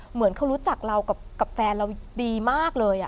เหมือนเขารู้จักเรากับแฟนเราดีมากเลย